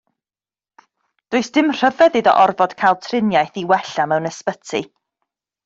Does dim rhyfedd iddo orfod cael triniaeth i wella mewn ysbyty.